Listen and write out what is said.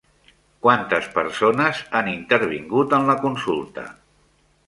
Quantes persones han intervingut en la consulta?